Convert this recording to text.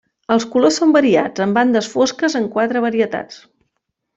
Els colors són variats amb bandes fosques en quatre varietats.